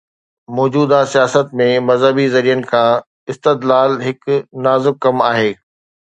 موجوده سياست ۾ مذهبي ذريعن کان استدلال هڪ نازڪ ڪم آهي.